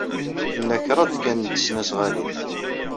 Nla kraḍt kan n tesnasɣalin.